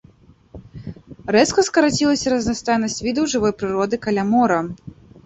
Рэзка скарацілася разнастайнасць відаў жывой прыроды каля мора.